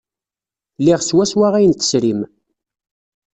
Liɣ swawa ayen ay tesrim.